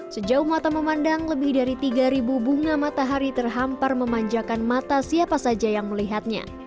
sejauh mata memandang lebih dari tiga bunga matahari terhampar memanjakan mata siapa saja yang melihatnya